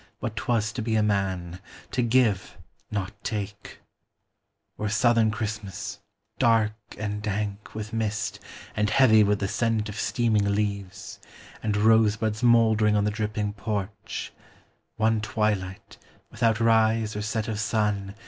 What 'twas to be a man ; to give, not take ; lO CHRISTMAS DAY. Or southern Christmas, dark and dank with mist, And heavy with the scent of steaming leaves, And rosebuds moldering on the dripping porch ; One twilight, without rise or set of sun.